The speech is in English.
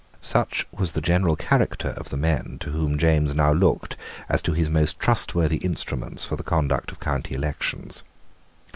Such was the general character of the men to whom James now looked as to his most trustworthy instruments for the conduct of county elections.